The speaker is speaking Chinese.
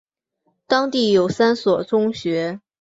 当地有三所中学。